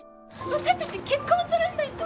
私たち結婚する。